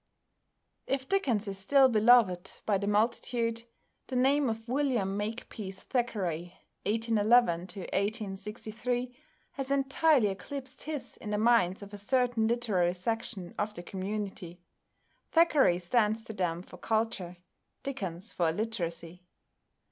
If Dickens is still beloved by the multitude, the name of =William Makepeace Thackeray (1811 1863)= has entirely eclipsed his in the minds of a certain literary section of the community. Thackeray stands to them for culture, Dickens for illiteracy.